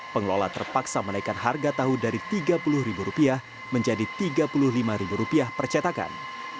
pengelola terpaksa menaikan harga tahu dari tiga puluh ribu rupiah menjadi tiga puluh lima ribu rupiah per cetakan